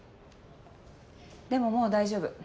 でももう大丈夫。